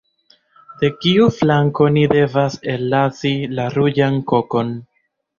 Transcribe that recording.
De kiu flanko ni devas ellasi la ruĝan kokon?